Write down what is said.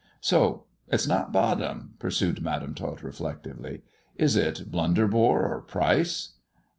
So it's not Bottom," pursued Madam Tot reflectively; "is it Blunderbore or Pryce